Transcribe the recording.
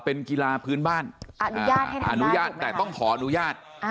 เป็นกีฬาพื้นบ้านอนุญาตแต่ต้องขออนุญาต